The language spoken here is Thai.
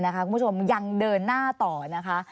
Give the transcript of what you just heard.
คุณผู้ชมยังเดินหน้าต่อนะคะ